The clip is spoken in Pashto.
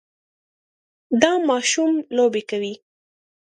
دا ماشوم لوبې کوي.